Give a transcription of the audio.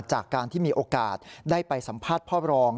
จากการที่มีโอกาสได้ไปสัมภาษณ์พ่อรอง